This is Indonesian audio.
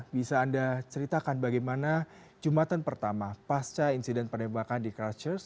bisa anda ceritakan bagaimana jumatan pertama pasca insiden penembakan di crastures